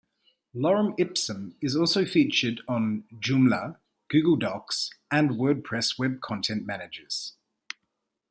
Lorem ipsum is also featured on Joomla!, Google Docs, and WordPress web content managers.